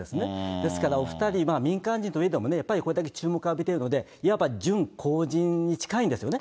ですから、お２人、民間人といえども、やっぱりこれだけ注目浴びてるんでね、いわば準公人に近いんですよね。